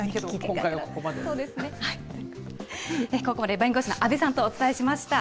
ここまで、弁護士の阿部さんとお伝えしました。